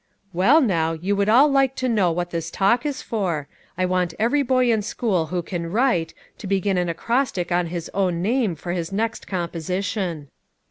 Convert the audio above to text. "Well, now, you would all like to know what this talk is for. I want every boy in school who can write, to bring an acrostic on his own name for his next composition."